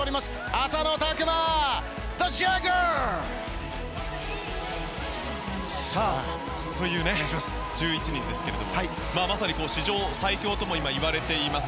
浅野拓磨、ジャガー！という１１人ですけどもまさに史上最強ともいわれています。